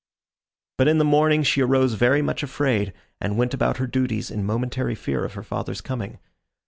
But in the morning she arose very much afraid, and went about her duties in momentary fear of her father's coming.